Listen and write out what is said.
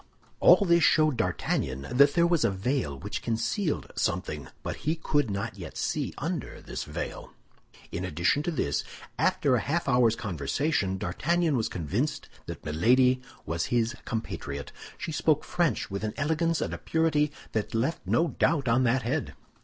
All this showed D'Artagnan that there was a veil which concealed something; but he could not yet see under this veil. In addition to this, after a half hour's conversation D'Artagnan was convinced that Milady was his compatriot; she spoke French with an elegance and a purity that left no doubt on that head.